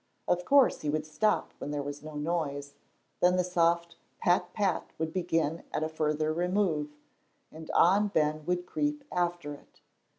Of course he would stop when there was no noise, then the soft pat pat would begin at a further remove, and on Ben would creep after it.